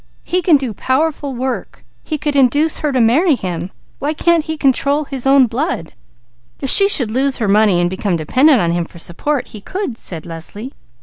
He can do powerful work. He could induce her to marry him. Why can't he control his own blood?" "If she should lose her money and become dependent upon him for support, he could!" said Leslie.